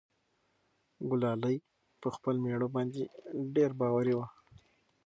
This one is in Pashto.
ګلالۍ په خپل مېړه باندې ډېر باوري وه.